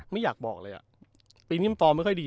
ไม่อยากบอกเลยอ่ะปีนี้มันปลอมไม่ค่อยดี